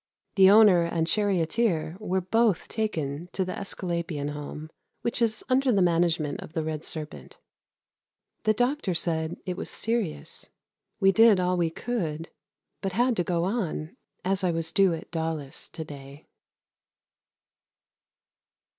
The owner and charioteer were both taken to the Æsculapian Home, which is under the management of the Red Serpent. The doctor said it was serious. We did all we could, but had to go on, as I was due at Daulis to day.